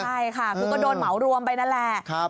ใช่ค่ะคือก็โดนเหมารวมไปนั่นแหละ